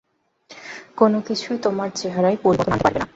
কোনোকিছুই তোমার চেহারায় পরিবর্তন আনতে পারবে না।